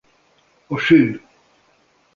A Sün!